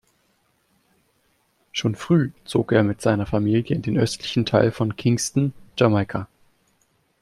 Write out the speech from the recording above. Schon früh zog er mit seiner Familie in den östlichen Teil von Kingston, Jamaika.